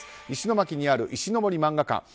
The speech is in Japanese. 石巻にある石ノ森萬画館。